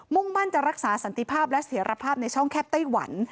่งมั่นจะรักษาสันติภาพและเสียรภาพในช่องแคบไต้หวัน